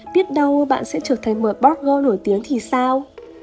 biết đâu bạn sẽ trở thành một bogle nổi tiếng thì sao